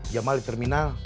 jamal di terminal